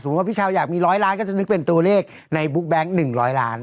สมมุติว่าพี่ชาวอยากมีร้อยล้านก็จะนึกเป็นตัวเลขในบุ๊คแบงค์หนึ่งร้อยล้าน